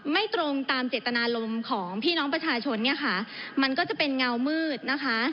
ไม่ตรงตามเจตนาลมของพี่น้องประชาชนมันก็จะเป็นเงำืดนะคะ